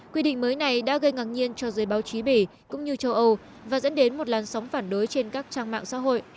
quy định mới này đã gây ngạc nhiên cho giới báo chí bỉ cũng như châu âu và dẫn đến một làn sóng phản đối trên các trang mạng xã hội